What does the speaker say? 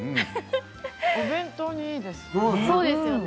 お弁当にいいです。